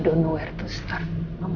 aku gak tahu dimana mulai